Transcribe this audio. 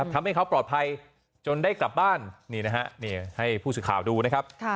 ทำให้เขาปลอดภัยจนได้กลับบ้านนี่นะฮะให้ผู้สื่อข่าวดูนะครับ